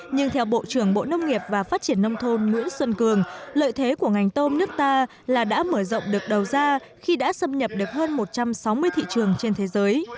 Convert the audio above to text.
nhưng theo bộ trưởng bộ nông nghiệp và phát triển nông thôn nguyễn xuân cường lợi thế của ngành tôm nước ta là đã mở rộng được đầu ra khi đã xâm nhập được hơn một trăm sáu mươi thị trường trên thế giới